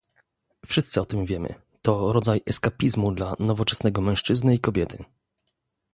Wszyscy o tym wiemy - to rodzaj eskapizmu dla nowoczesnego mężczyzny i kobiety